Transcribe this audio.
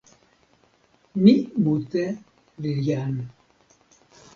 mi mute li jan.